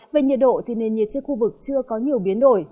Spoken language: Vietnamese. về nhiệt độ thì nền nhiệt trên khu vực chưa có nhiều biến đổi